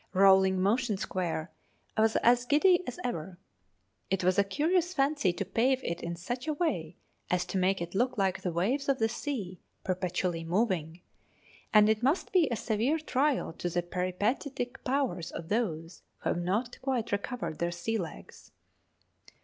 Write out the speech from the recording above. Rolling Motion Square was as giddy as ever. It was a curious fancy to pave it in such a way as to make it look like the waves of the sea, perpetually moving; and it must be a severe trial to the peripatetic powers of those who have not quite recovered their sea legs.